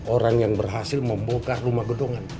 orang yang berhasil membuka rumah gedungan